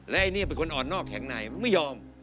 และไอ้นี่เป็นคนอ่อนนอกแข็งในไม่ยอม